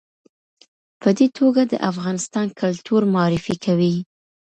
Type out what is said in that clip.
په دې توګه د افغانستان کلتور معرفي کوي.